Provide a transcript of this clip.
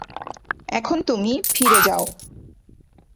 এখন তুমি ফিরে যাও।